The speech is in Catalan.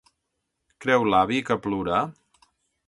Creu l'avi que plourà?